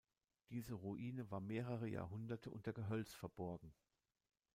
Diese Ruine war mehrere Jahrhunderte unter Gehölz verborgen.